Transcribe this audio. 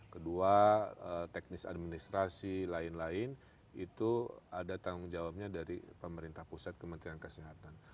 kedua teknis administrasi lain lain itu ada tanggung jawabnya dari pemerintah pusat kementerian kesehatan